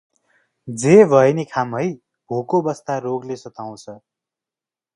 जे भए नि खाम है भोको बस्दा रोगले सताउँछ ।